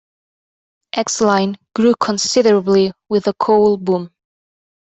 Exline grew considerably with the coal boom.